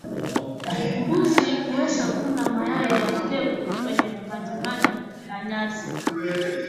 Mbuzi huweza kula mayai ya tegu kwenye majimaji na nyasi